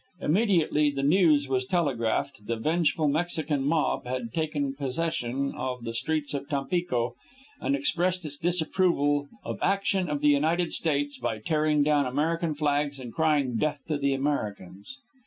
Immediately the news was telegraphed, the vengeful Mexican mob had taken possession of the streets of Tampico and expressed its disapproval of the action of the United States by tearing down American flags and crying death to the Americans.